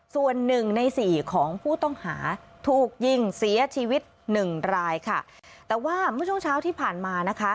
ส่วนหนึ่งในสี่ของผู้ต้องหาถูกยิงเสียชีวิตหนึ่งรายค่ะแต่ว่าเมื่อช่วงเช้าที่ผ่านมานะคะ